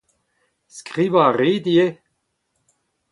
Skrivañ a rit ivez.